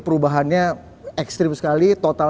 perubahannya ekstrim sekali total